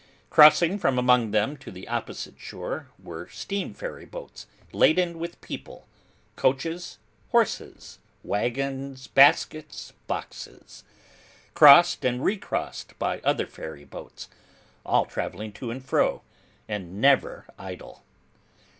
Crossing from among them to the opposite shore, were steam ferry boats laden with people, coaches, horses, waggons, baskets, boxes: crossed and recrossed by other ferry boats: all travelling to and fro: and never idle.